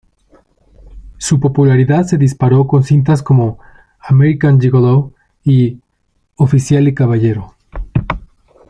Su popularidad se disparó con cintas como "American Gigolo" y "Oficial y Caballero".